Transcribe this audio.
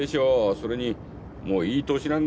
それにもういい年なんですから。